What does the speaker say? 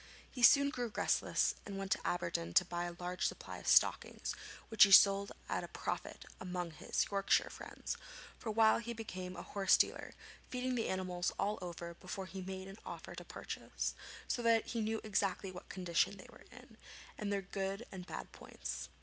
He soon grew restless and went to Aberdeen to buy a large supply of stockings, which he sold at a profit among his Yorkshire friends; for a while he became a horse dealer, feeling the animals all over before he made an offer to purchase, so that he knew exactly what condition they were in, and their good and bad points.